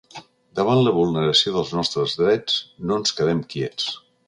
Davant la vulneració dels nostres drets, no ens quedem quiets!